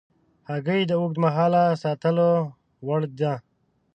هګۍ د اوږد مهاله ساتلو وړ ده.